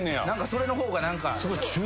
それの方が何か。